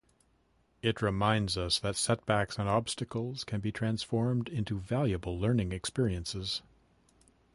It reminds us that setbacks and obstacles can be transformed into valuable learning experiences.